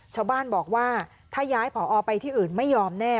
ชาวบ้านบอกว่าถ้าย้ายผอไปที่อื่นไม่ยอมแน่